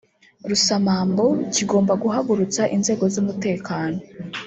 Rusamambu kigomba guhagurutsa inzego z’umutekano